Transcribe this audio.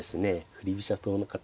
振り飛車党の方